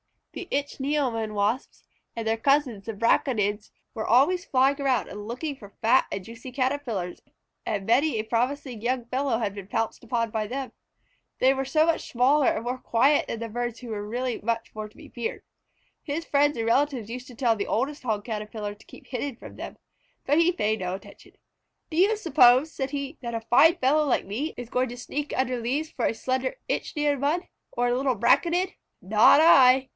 Yet birds were not the only people to fear. The Ichneumon Wasps and their cousins the Braconids were always flying around and looking for fat and juicy Caterpillars, and many a promising young fellow had been pounced upon by them. They were so much smaller and more quiet than the birds that they were really much more to be feared. His friends and relatives used to tell the oldest Hog Caterpillar to keep hidden from them, but he paid no attention. "Do you suppose," said he, "that a fine fellow like me is going to sneak under leaves for a slender Ichneumon or a little Braconid? Not I!"